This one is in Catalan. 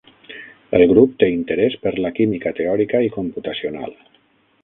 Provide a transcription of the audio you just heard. El grup té interès per la química teòrica i computacional.